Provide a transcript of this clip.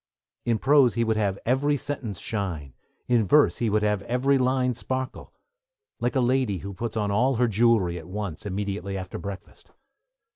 In prose he would have every sentence shine, in verse he would have every line sparkle; like a lady who puts on all her jewellery at once, immediately after breakfast.